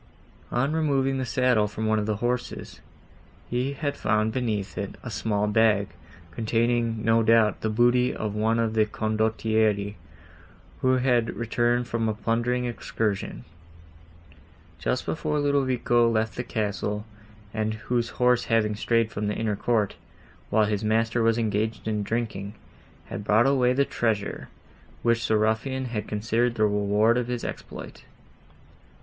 On removing the saddle from one of the horses, he had found beneath it a small bag, containing, no doubt, the booty of one of the Condottieri, who had returned from a plundering excursion, just before Ludovico left the castle, and whose horse having strayed from the inner court, while his master was engaged in drinking, had brought away the treasure, which the ruffian had considered the reward of his exploit.